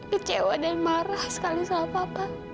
kecewa dan marah sekali sama papa